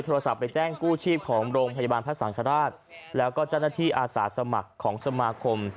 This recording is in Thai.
โทรศัพท์ไปแจ้งกู้ชีพของโรงพยาบาลพระสังฆราชแล้วก็เจ้าหน้าที่อาสาสมัครของสมาคม